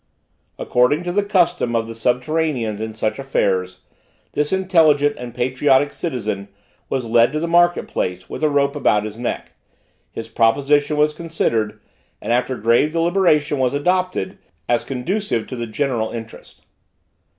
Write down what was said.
According to the custom of the subterraneans in such affairs, this intelligent and patriotic citizen was led to the market place, with a rope about his neck: his proposition was considered, and after grave deliberation was adopted, as conducive to the general interest.